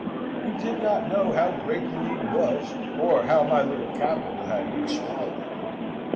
He did not know how great the need was, or how my little capital had been swallowed.